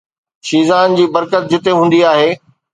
شيزان جي برڪت جتي هوندي هئي.